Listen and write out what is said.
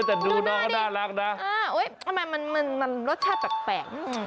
แต่ดูน้องน่ารักนะโอ๊ยมันรสชาติแปลกนึงอืม